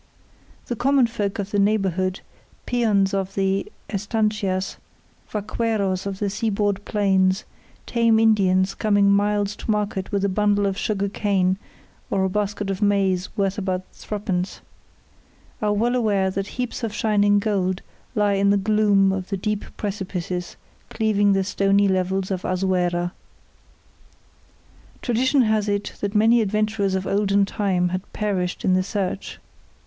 The common folk of the neighbourhood, peons of the estancias, vaqueros of the seaboard plains, tame Indians coming miles to market with a bundle of sugar cane or a basket of maize worth about threepence, are well aware that heaps of shining gold lie in the gloom of the deep precipices cleaving the stony levels of Azuera. Tradition has it that many adventurers of olden time had perished in the search.